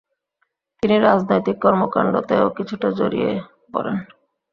তিনি রাজনৈতিক কর্মকাণ্ডেও কিছুটা জড়িয়ে পড়েন।